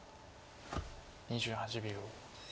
２８秒。